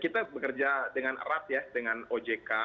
kita bekerja dengan erat ya dengan ojk